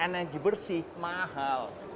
energi bersih mahal